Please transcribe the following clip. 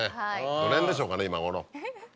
どの辺でしょうかね今頃。